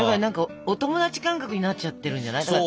お友達感覚になっちゃってるんじゃない？